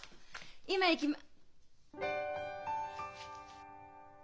今行きま。